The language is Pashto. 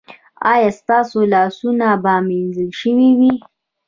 ایا ستاسو لاسونه به مینځل شوي وي؟